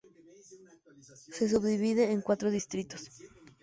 Se subdivide en cuatro distritos.